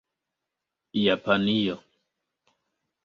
japanio